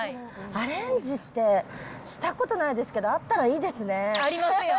アレンジってしたことないですけど、あったらいいですね。ありますよ。